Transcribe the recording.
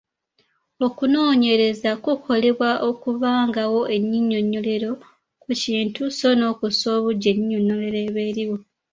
Okunoonyereza kukolebwa okubangawo ennyinnyonnyolero ku kintu so n’okuzza obuggya ennyinnyinnyolero eba eriwo.